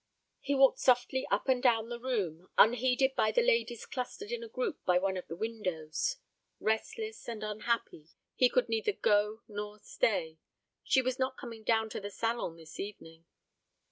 He walked softly up and down the room, unheeded by the ladies clustered in a group by one of the windows. Restless and unhappy, he could neither go nor stay. She was not coming down to the salon this evening.